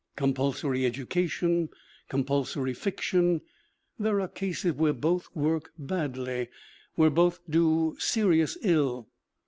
Com pulsory education compulsory fiction ; there are cases where both work badly, where both do serious ill.